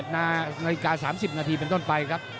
๑๘น๓๐นเป็นต้นไปครับ